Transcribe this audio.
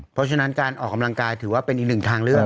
เพราะฉะนั้นการออกกำลังกายถือว่าเป็นอีกหนึ่งทางเลือก